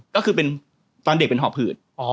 ก็คือเป็นตอนเด็กเป็นหอบหืด